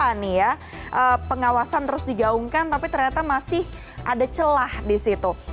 jadi ini ya pengawasan terus dijauhkan tapi ternyata masih ada celah di situ